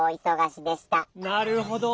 なるほど。